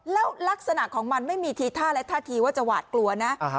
แล้วลักษณะของมันไม่มีทีท่าและท่าทีว่าจะหวาดกลัวนะ